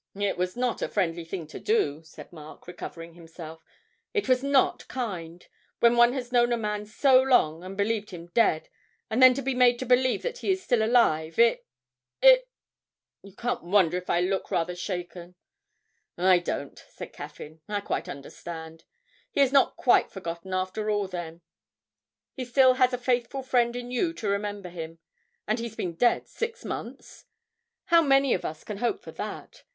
'It was not a friendly thing to do,' said Mark, recovering himself. 'It was not kind, when one has known a man so long, and believed him dead, and then to be made to believe that he is still alive, it it . You can't wonder if I look rather shaken.' 'I don't,' said Caffyn; 'I quite understand. He is not quite forgotten after all, then? He still has a faithful friend in you to remember him; and he's been dead six months? How many of us can hope for that?